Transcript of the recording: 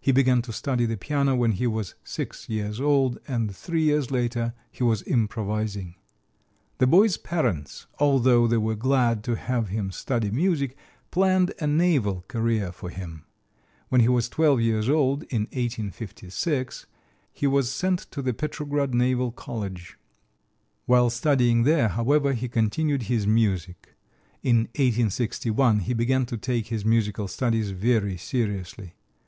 He began to study the piano when he was six years old, and three years later he was improvising. The boy's parents, although they were glad to have him study music, planned a naval career for him. When he was twelve years old, in 1856, he was sent to the Petrograd Naval College. While studying there, however, he continued his music. In 1861 he began to take his musical studies very seriously.